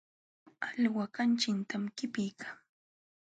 Alwa kamchitam qipiykaa.